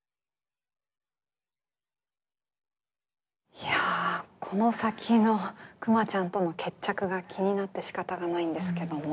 いやこの先のくまちゃんとの決着が気になってしかたがないんですけども。